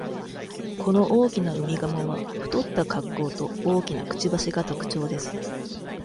この大きな海鴨は、太った格好と大きな口ばしが特徴です。